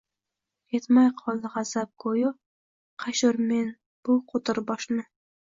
Yemay qoldi g‘azal goʻyo, qashurmen bu qo‘tir boshni